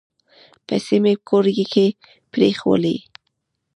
پیسې مي په کور کې پرېښولې .